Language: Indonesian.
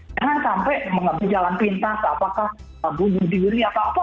jangan sampai mengambil jalan pintas apakah bunuh diri atau apa